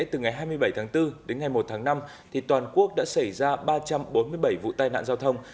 từ ngày hai mươi bảy tháng bốn đến ngày một tháng năm toàn quốc đã xảy ra ba trăm bốn mươi bảy vụ tai nạn giao thông